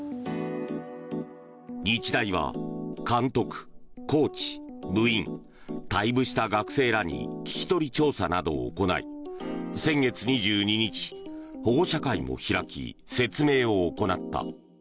日大は監督、コーチ、部員退部した学生らに聞き取り調査などを行い先月２２日、保護者会も開き説明を行った。